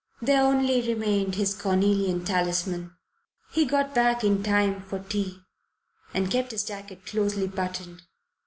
There only remained his cornelian talisman. He got back in time for tea and kept his jacket closely buttoned.